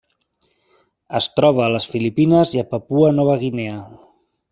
Es troba a les Filipines i a Papua Nova Guinea.